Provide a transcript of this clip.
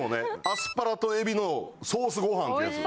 アスパラとえびのソースご飯っていうやつ。